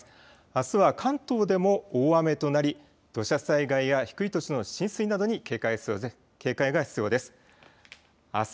あすは関東でも大雨となり土砂災害や低い土地の浸水などに警戒が必要です。